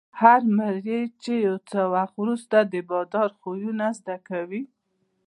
هر مریی یو څه وخت وروسته د بادار خویونه زده کوي.